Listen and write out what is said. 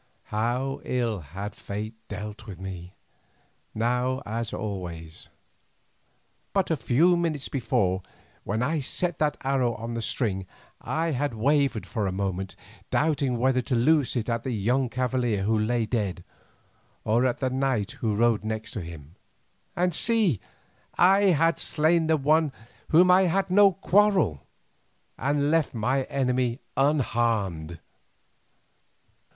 How ill had fate dealt with me, now as always. But a few minutes before, when I set that arrow on the string, I had wavered for a moment, doubting whether to loose it at the young cavalier who lay dead, or at the knight who rode next to him; and see! I had slain one with whom I had no quarrel and left my enemy unharmed.